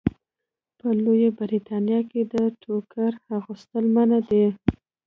په لویه برېتانیا کې د ټوکر اغوستل منع دي.